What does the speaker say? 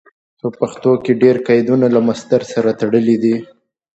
په پښتو کې ډېر قیدونه له مصدر سره تړلي دي.